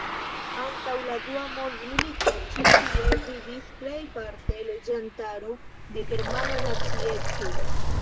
Antaŭ la dua mondmilito ĉi tie vivis plejparte loĝantaro de germana nacieco.